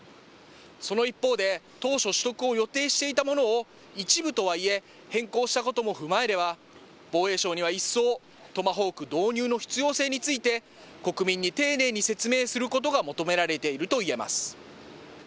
その一方で、当初、取得を予定していたものを、一部とはいえ、変更したことも踏まえれば、防衛省にはいっそう、トマホーク導入の必要性について、国民に丁寧に説明することが求め